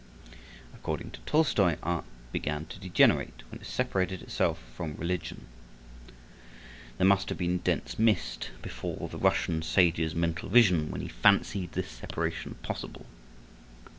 According to Tolstoi, art began to degenerate when it separated itself from religion. There must have been dense mist before the Russian sage's mental vision when he fancied this separation possible.